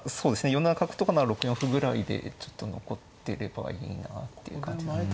４七角とかなら６四歩ぐらいでちょっと残ってればいいなっていう感じだったんですけど。